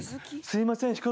すいません。